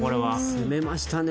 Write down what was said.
・攻めましたね。